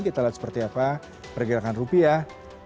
kita lihat seperti apa pergerakan rupiah